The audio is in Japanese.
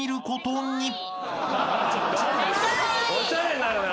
おしゃれになるのよ